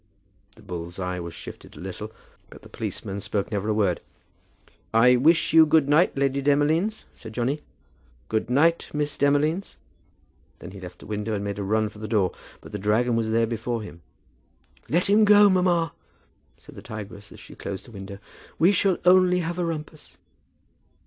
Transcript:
The bull's eye was shifted a little, but the policeman spoke never a word. "I wish you good night, Lady Demolines," said Johnny. "Good night, Miss Demolines." Then he left the window and made a run for the door. But the dragon was there before him. "Let him go, mamma," said the tigress as she closed the window. "We shall only have a rumpus."